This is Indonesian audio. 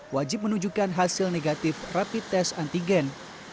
wajib menunjukkan hasil negatif rapid test antigen